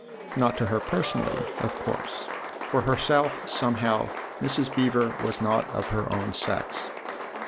Not to her personally, of course ; for herself, somehow, Mrs. Beever was not of her own sex.